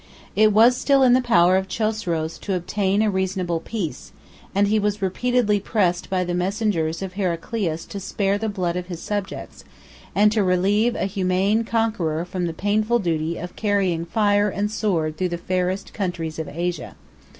It was still in the power of Chosroes to obtain a reasonable peace; and he was repeatedly pressed by the messengers of Heraclius to spare the blood of his subjects, and to relieve a humane conqueror from the painful duty of carrying fire and sword through the fairest countries of Asia.